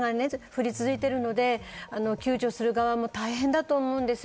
まだまだ雨が降り続いているので救助する側も大変だと思うんですよ。